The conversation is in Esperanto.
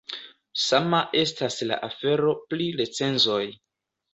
Sama estas la afero pri recenzoj.